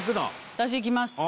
私いきます